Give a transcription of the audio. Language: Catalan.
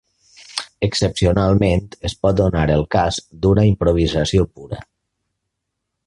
Excepcionalment, es pot donar el cas d'una improvisació pura.